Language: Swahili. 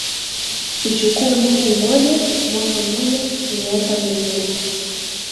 ichukuwe mwezi mmoja mwaka mmoja miaka miwili